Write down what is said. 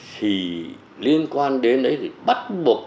thì liên quan đến đấy thì bắt buộc